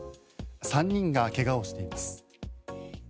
３人が怪我をしています。